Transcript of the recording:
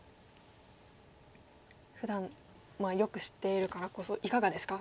ふだんよく知っているからこそいかがですか？